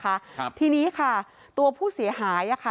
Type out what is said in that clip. ครับทีนี้ค่ะตัวผู้เสียหายอ่ะค่ะ